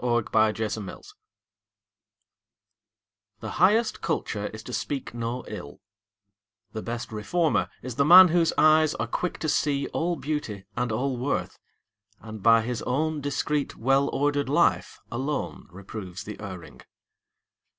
TRUE CULTURE The highest culture is to speak no ill, The best reformer is the man whose eyes Are quick to see all beauty and all worth; And by his own discreet, well ordered life, Alone reproves the erring.